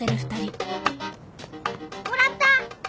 もらった。